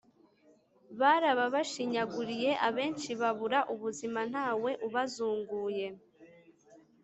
Barabashinyaguriye Abenshi babura ubuzima Ntawe ubazunguye !